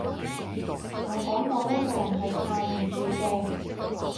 我講過呢個人係靠唔住嘅